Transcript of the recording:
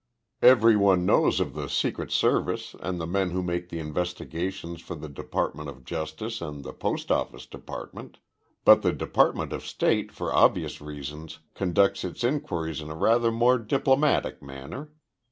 Everyone knows of the Secret Service and the men who make the investigations for the Department of Justice and the Post office Department but the Department of State, for obvious reasons, conducts its inquiries in a rather more diplomatic manner.